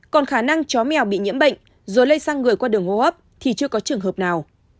còn khả năng chó mèo bị nhiễm bệnh rồi lây sang người qua đường hô hấp thì chưa có trường hợp nào